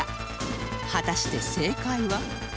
果たして正解は？